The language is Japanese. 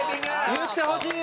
言ってほしい！